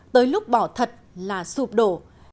tới lúc bỏ thật là sụp đổ